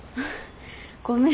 ごめん。